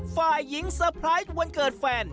ฝ่ายหญิงเซอร์ไพรส์วันเกิดแฟน